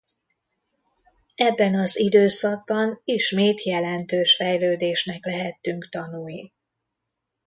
Ebben az időszakban ismét jelentős fejlődésnek lehettünk tanúi.